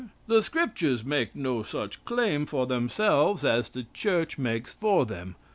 "The Scriptures make no such claim for themselves as the Church make's for them.